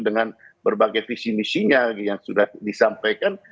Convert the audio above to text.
dengan berbagai visi misinya yang sudah disampaikan